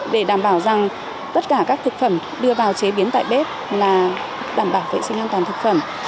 để đảm bảo rằng tất cả các thực phẩm đưa vào chế biến tại bếp là đảm bảo vệ sinh an toàn thực phẩm